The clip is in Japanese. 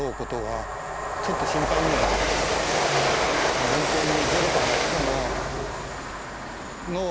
もう本当に。